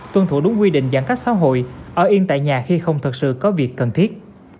tuân thủ đúng quy định giãn cách xã hội ở yên tại nhà khi không thật sự có việc cần thiết